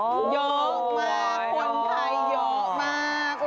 โอ้โฮโยะมากคนไทยโยะมาก